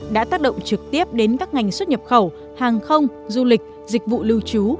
đã tác động trực tiếp đến các ngành xuất nhập khẩu hàng không du lịch dịch vụ lưu trú